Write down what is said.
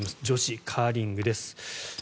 女子カーリングです。